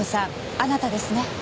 あなたですね。